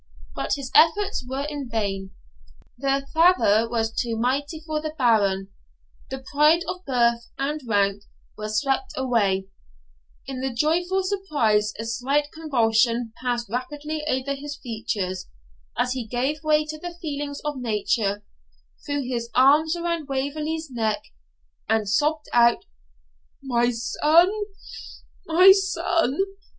But his efforts were in vain; the father was too mighty for the Baron; the pride of birth and rank were swept away; in the joyful surprise a slight convulsion passed rapidly over his features, as he gave way to the feelings of nature, threw his arms around Waverley's neck, and sobbed out 'My son, my son!